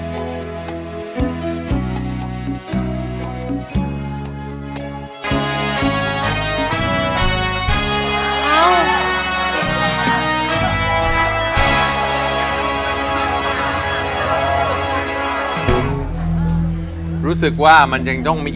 ขอทำสักคำยังคุ้นข้อง